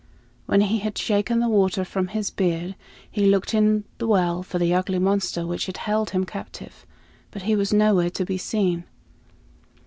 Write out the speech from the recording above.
When he had shaken the water from his beard, he looked in the well for the ugly monster which had held him captive, but he was nowhere to be seen.